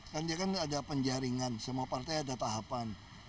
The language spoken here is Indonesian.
kan dia kan ada penjaringan semua partai ada tahapan